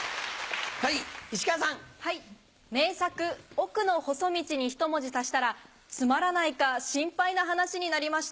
『おくのほそ道』にひと文字足したら詰まらないか心配な話になりました。